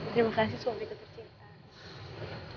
terima kasih suami ketuk cinta